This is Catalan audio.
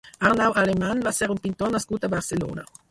Arnau Alemany va ser un pintor nascut a Barcelona.